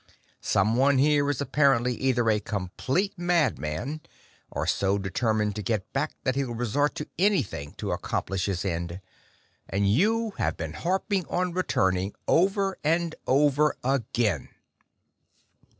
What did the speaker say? Someone here is apparently either a complete madman or so determined to get back that he'll resort to anything to accomplish his end. And you have been harping on returning over and over again!"